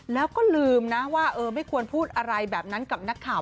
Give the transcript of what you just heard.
แล้วก็ลืมนะว่าเออไม่ควรพูดอะไรแบบนั้นกับนักข่าว